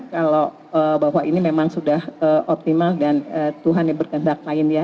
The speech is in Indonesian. kalau bahwa ini memang sudah optimal dan tuhan yang berkendak lain ya